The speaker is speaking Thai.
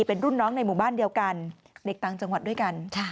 เป็นรุ่นน้องในหมู่บ้านเดียวกันเด็กต่างจังหวัดด้วยกัน